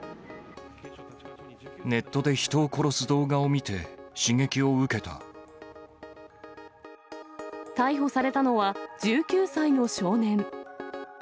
ネットで人を殺す動画を見て、逮捕されたのは、１９歳の少年。